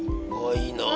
いいなあ！